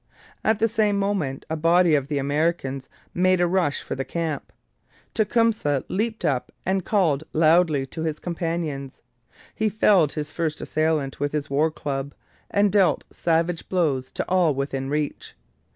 At the same moment a body of the Americans made a rush for the camp. Tecumseh leaped up and called loudly to his companions. He felled his first assailant with his war club and dealt savage blows to all within reach.